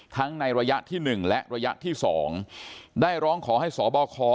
ในระยะที่๑และระยะที่๒ได้ร้องขอให้สบค